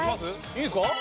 いいんですか？